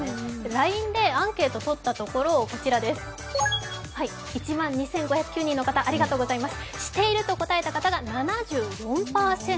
ＬＩＮＥでアンケートをとったところ１万２５０９人の方、ありがとうございます。